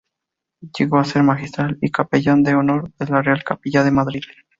Llegó a ser magistral y capellán de honor de la Real Capilla de Madrid.